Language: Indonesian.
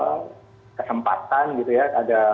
dari sisi orang yang terlibat di situ ada apa